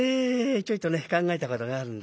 ちょいとね考えたことがあるんですよ。